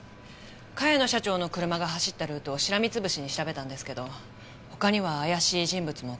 茅野社長の車が走ったルートをしらみつぶしに調べたんですけど他には怪しい人物も車も。